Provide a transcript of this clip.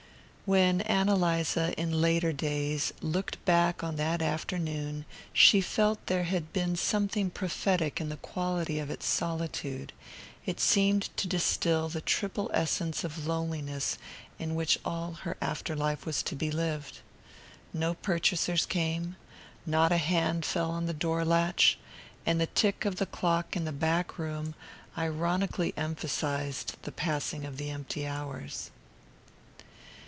When Ann Eliza, in later days, looked back on that afternoon she felt that there had been something prophetic in the quality of its solitude; it seemed to distill the triple essence of loneliness in which all her after life was to be lived. No purchasers came; not a hand fell on the door latch; and the tick of the clock in the back room ironically emphasized the passing of the empty hours.